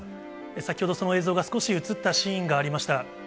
先ほど、その映像が少し映ったシーンがありました。